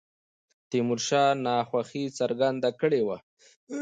تیمور شاه ناخوښي څرګنده کړې وه.